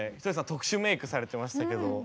特殊メークされてましたけど。